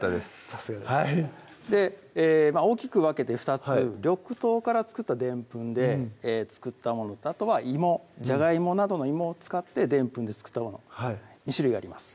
さすがです大きく分けて２つ緑豆から作ったでんぷんで作ったものとあとは芋じゃがいもなどの芋を使ってでんぷんで作ったもの２種類があります